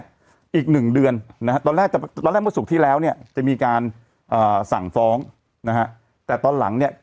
แล้วก็ใส่หน้ากากอย่างเนี้ย